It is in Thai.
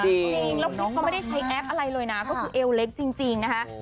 เขาไม่ได้ใช้แอปอะไรเลยนะก็คือเอวเล็กจริงนะคะ